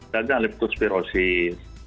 dan yang leptospirosis